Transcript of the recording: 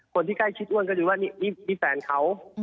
คนที่ใกล้ชิดอ้วนก็ดูว่านี่แฟนเขา